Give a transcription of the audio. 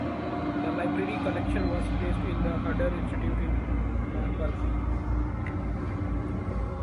The library collection was placed in the Herder Institute in Marburg.